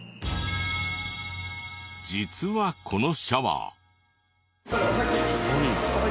実はこのシャワー。